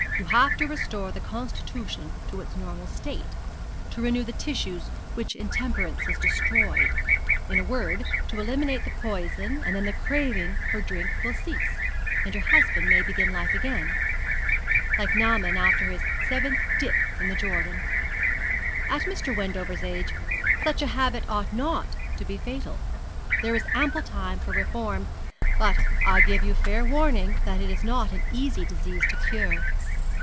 You have to restore the constitution to its normal state to renew the tissues which intemperance has destroyed in a word, to eliminate the poison and then the craving for drink will cease, and your husband may begin life again, like Naaman after his seventh dip in Jordan. At Mr. Wendover's age, such a habit ought not to be fatal. There is ample time for reform; but I give you fair warning that it is not an easy disease to cure.